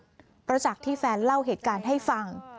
เพราะจากที่แฟนเล่าเหตุการณ์ให้ฟัง